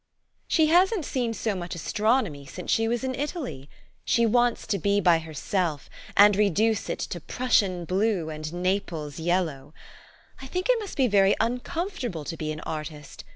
" She hasn't seen so much astronomy since she was in Italy. She wants to be by herself, and re duce it to Prussian blue and Naples 3 T ellow. I think it must be very uncomfortable to be an artist.